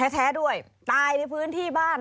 แท้ด้วยตายในพื้นที่บ้าน